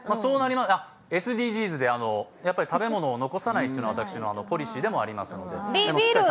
あ、ＳＤＧｓで、食べ物を残さないというのか私のポリシーでもあります。